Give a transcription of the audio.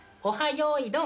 よいどん」